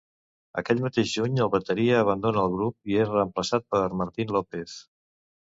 Aquell mateix juny el bateria abandona el grup i és reemplaçat per Martin López.